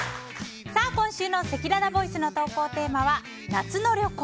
今週のせきららボイスの投稿テーマは夏の旅行！